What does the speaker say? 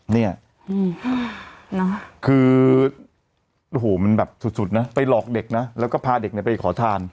เนี่ยคือโอ้โหมันแบบสุดนะไปหลอกเด็กนะแล้วก็พาเด็กไปขอทาน